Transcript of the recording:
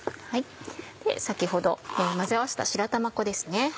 先ほど混ぜ合わせた白玉粉ですね。